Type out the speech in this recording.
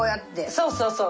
そうそうそう。